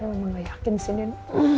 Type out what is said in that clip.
aku emang gak yakin sih nen